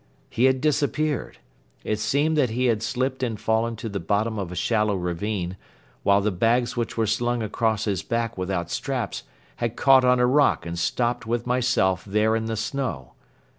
He had disappeared. It seemed that he had slipped and fallen to the bottom of a shallow ravine, while the bags which were slung across his back without straps had caught on a rock and stopped with myself there in the snow.